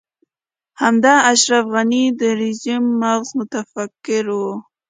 همدا اشرف غني د رژيم مغز متفکر و.